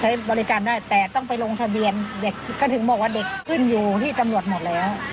ใช้บริการได้แต่ต้องไปลงทะเบียนเด็กก็ถึงบอกว่าเด็กขึ้นอยู่ที่ตำรวจหมดแล้ว